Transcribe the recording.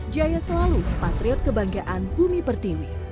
jaya selalu patriot kebanggaan bumi pertiwi